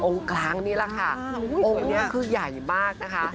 กลางนี่แหละค่ะองค์นี้คือใหญ่มากนะคะ